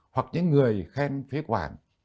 hoặc những người khen phế quản